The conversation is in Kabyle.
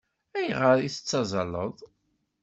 Ayɣer i tettazzaleḍ?